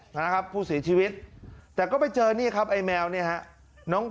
นะครับผู้เสียชีวิตแต่ก็ไปเจอนี่ครับไอ้แมวเนี่ยฮะน้อง